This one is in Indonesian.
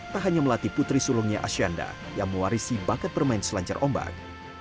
tak hanya melatih putri sulungnya ashanda yang mewarisi bakat bermain selancar ombak